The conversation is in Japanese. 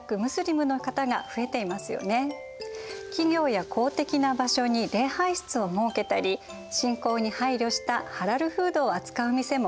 企業や公的な場所に礼拝室を設けたり信仰に配慮したハラルフードを扱う店も増えてきました。